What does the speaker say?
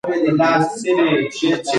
هغه له مغلي واکمن څخه د مرستې غوښتنه کړې وه.